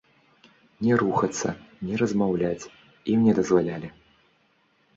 Ні рухацца, ні размаўляць ім не дазвалялі.